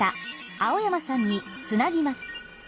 青山さんにつなぎます。